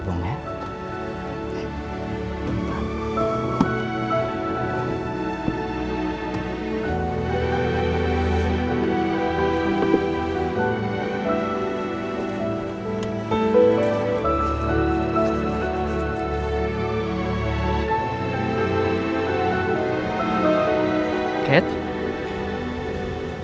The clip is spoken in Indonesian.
nih rumah impian kamu